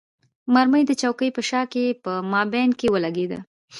مرمۍ د چوکۍ په شا کې په مابین کې ولګېده.